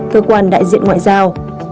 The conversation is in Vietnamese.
cơ quan đại diện ngoại giao